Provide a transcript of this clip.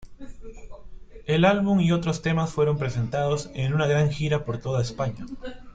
El álbum y otros temas fueron presentados en una gran gira por toda España.